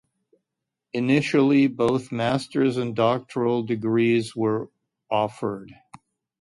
Initially, both masters and doctoral degrees were offered.